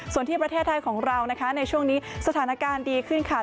ส่วนที่ประเทศไทยของเรานะคะในช่วงนี้สถานการณ์ดีขึ้นค่ะ